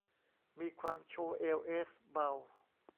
มีความโชว์เอวเอสเบา